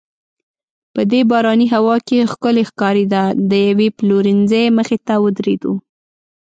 په دې باراني هوا کې ښکلې ښکارېده، د یوې پلورنځۍ مخې ته ودریدو.